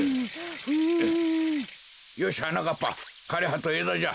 よしはなかっぱかれはとえだじゃ。